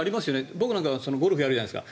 僕なんかはゴルフやるじゃないですか。